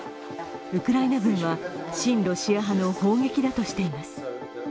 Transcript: ウクライナ軍は、親ロシア派の砲撃だとしています。